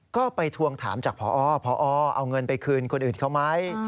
ก็ไปทวงถามจากพอพอเอาเงินไปคืนคนอื่นเขาไหม